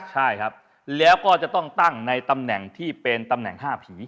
ใช่ครับแล้วก็จะต้องตั้งในตำแหน่งที่เป็นตำแหน่ง๕ผี